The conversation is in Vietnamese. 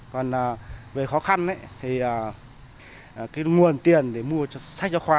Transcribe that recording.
còn về khó khăn thì cái nguồn tiền để mua sách giáo khoa